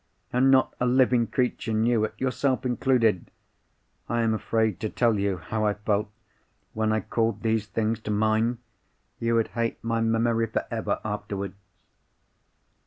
And not a living creature knew it—yourself included! I am afraid to tell you how I felt when I called these things to mind—you would hate my memory for ever afterwards."